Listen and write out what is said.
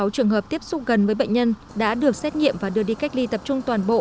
sáu trường hợp tiếp xúc gần với bệnh nhân đã được xét nghiệm và đưa đi cách ly tập trung toàn bộ